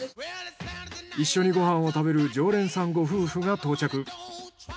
一緒にご飯を食べる常連さんご夫婦が到着。